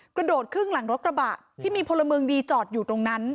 กระโดดครึ่งหลังรถกระบะที่มีพลเมืองดีจอดอยู่ตรงนั้น